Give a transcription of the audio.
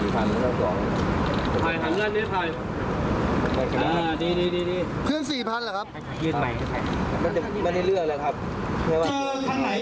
ขายได้เพื่อนนักแพทย์กับ๔๐๐๐บาทไม่ต้องกล่อง